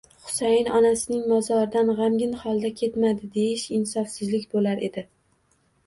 Husayin onasining mozoridan g'amgin holda ketmadi deyish insofsizlik bo'lar edi.